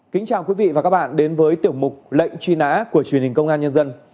kính chào quý vị và các bạn đến với tiểu mục lệnh truy nã của truyền hình công an nhân dân